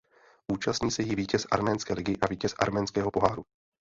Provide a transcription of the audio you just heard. Účastní se jí vítěz arménské ligy a vítěz arménského poháru.